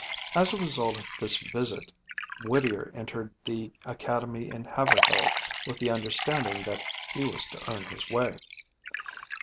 As a result of this visit Whittier entered the Academy in Haverhill, with the understanding that he was to earn his way.